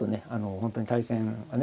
本当に対戦はね